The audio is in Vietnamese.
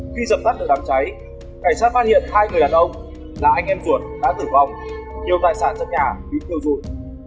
khi dập tắt được đám cháy cảnh sát phát hiện hai người đàn ông là anh em ruột đã tử vong nhiều tài sản trong nhà bị thiêu dụi